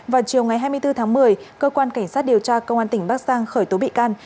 vào chiều ngày hai mươi bốn tháng một mươi cơ quan cảnh sát điều tra công an tỉnh bắc giang khởi tố bị can